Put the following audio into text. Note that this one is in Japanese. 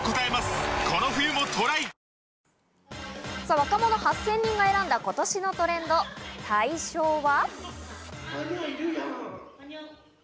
若者８０００人が選んだ今年のトレンド、大賞は。